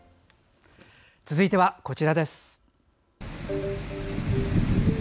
続いてはこちらです。